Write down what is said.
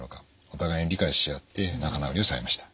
お互いに理解し合って仲直りをされました。